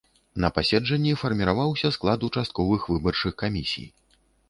На паседжанні фармаваўся склад участковых выбарчых камісій.